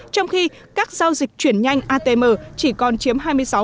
trong khi các giao dịch chuyển nhanh atm chỉ còn chiếm hai mươi sáu